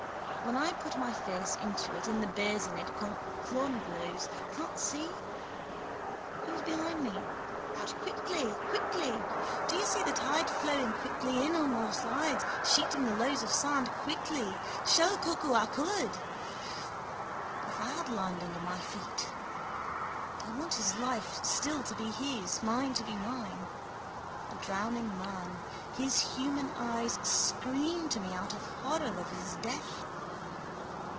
When I put my face into it in the basin at Clongowes. Can't see! Who's behind me? Out quickly, quickly! Do you see the tide flowing quickly in on all sides, sheeting the lows of sand quickly, shellcocoacoloured? If I had land under my feet. I want his life still to be his, mine to be mine. A drowning man. His human eyes scream to me out of horror of his death.